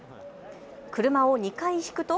車を２回引くと。